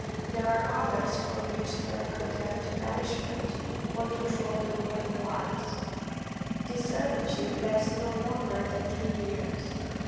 There are others for which they are condemned to banishment or to draw the royal barques. This servitude lasts no longer than three years.